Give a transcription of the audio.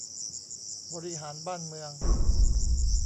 บริหารบ้านเมือง